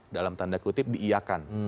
dalam tanda kutip diiakan